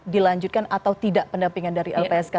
dilanjutkan atau tidak pendampingan dari lpsk